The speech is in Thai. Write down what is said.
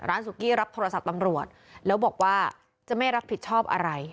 สุกี้รับโทรศัพท์ตำรวจแล้วบอกว่าจะไม่รับผิดชอบอะไร